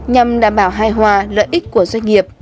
nhằm đảm bảo hai hòa lợi ích của doanh nghiệp